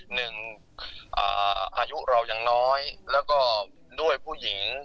หนึ่งอายุเรายังน้อยแล้วก็ด้วยผู้หญิง